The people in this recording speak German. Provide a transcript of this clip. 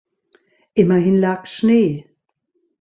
Immerhin lag Schnee.